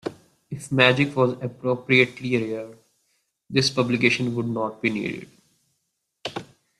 If magic was appropriately rare, this publication would not be needed.